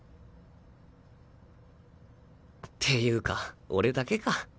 っていうか俺だけか。